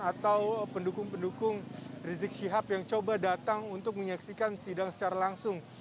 atau pendukung pendukung rizik syihab yang coba datang untuk menyaksikan sidang secara langsung